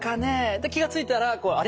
で気が付いたらあれ？